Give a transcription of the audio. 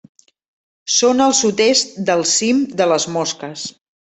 Són al sud-est del cim de les Mosques.